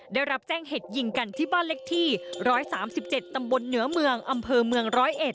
ได้รับแจ้งเหตุยิงกันที่บ้านเล็กที่๑๓๗ตำบลเหนือเมืองอำเภอเมืองร้อยเอ็ด